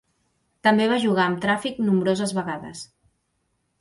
També va jugar amb Traffic nombroses vegades.